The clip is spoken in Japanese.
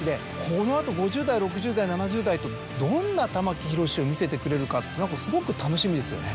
この後５０代６０代７０代とどんな玉木宏を見せてくれるかすごく楽しみですよね。